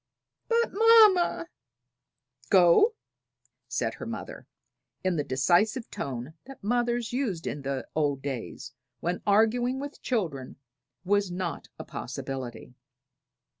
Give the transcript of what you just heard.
"But, mamma " "Go!" said her mother, in the decisive tone that mothers used in the old days, when arguing with children was not a possibility.